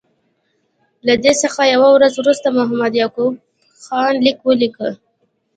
له دې څخه یوه ورځ وروسته محمد یعقوب خان لیک ولیکه.